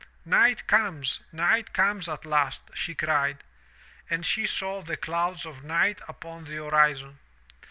"Night comes. Night comes at last,*' she cried, as she saw the clouds of night upon the horizon.